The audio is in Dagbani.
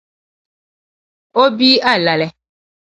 O bia alali.